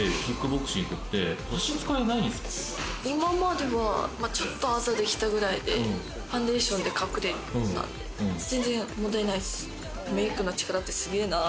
今まではちょっとアザできたくらいで、ファンデーションで隠れたんで全然問題ないです。